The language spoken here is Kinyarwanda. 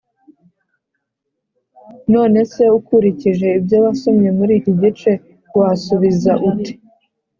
None se ukurikije ibyo wasomye muri iki gice wasubiza ute